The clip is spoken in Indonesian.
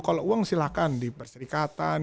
kalau uang silahkan di perserikatan